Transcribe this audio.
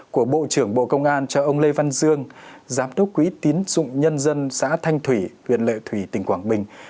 của bộ trưởng bộ công an cho ông lê văn dương giám đốc quỹ tín dụng nhân dân xã thanh thủy huyện lệ thủy tỉnh quảng bình